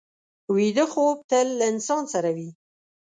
ویده خوب تل له انسان سره وي